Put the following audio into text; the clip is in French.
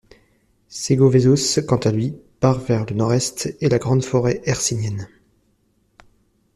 Segovesos, quant à lui, part vers le nord-est et la grande forêt hercynienne.